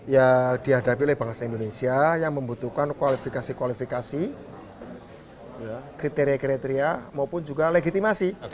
ya dihadapi oleh bangsa indonesia yang membutuhkan kualifikasi kualifikasi kriteria kriteria maupun juga legitimasi